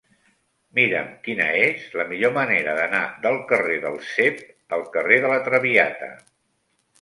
Mira'm quina és la millor manera d'anar del carrer del Cep al carrer de La Traviata.